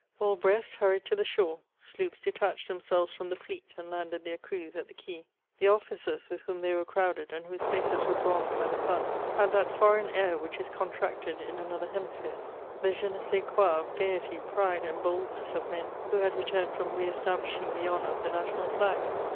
All Brest hurried to the shore. Sloops detached themselves from the fleet, and landed their crews at the Quay. The officers with whom they were crowded, and whose faces were bronzed by the sun, had that foreign air which is contracted in another hemisphere ^ the^'e ne saia quoi of gaiety, pride, and boldness of men who had returned from re establishing the honour of the national flag.